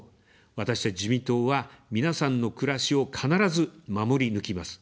私たち自民党は皆さんの暮らしを必ず守り抜きます。